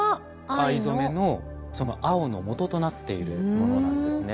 藍染めのその青のもととなっているものなんですね。